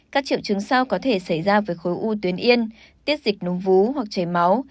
các triệu chứng sau có thể xảy ra với khối u tuyến yên tiết dịch núng vú hoặc chảy máu